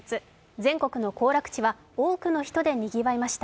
全国の行楽地は多くの人でにぎわいました。